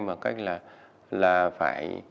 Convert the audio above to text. bằng cách là phải